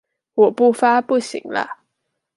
我不發不行啦！